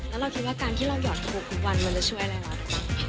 แล้วเราคิดว่าการที่เราหยอดถูกทุกวันมันจะช่วยอะไรเรา